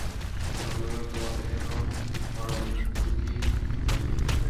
জন্মে জন্মে তোমাতে যেন আমার অহৈতুকী ভক্তি থাকে।